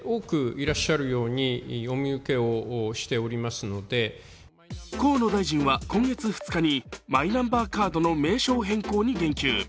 その中で河野大臣は河野大臣は今月２日にマイナンバーカードの名称変更に言及。